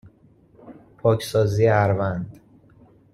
پاکسازی اَروَند